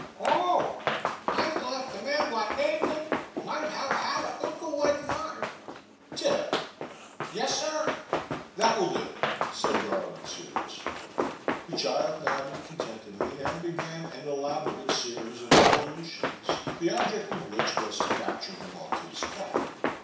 '' Oh ! I thought the man what named it might have had a unde like mine '*«« Tip !Yes, sir?*' '* That will do, said Garland seriously. The child nodded contentedly and began an elaborate series of evolutions, the object of which was to capture the Maltese cat.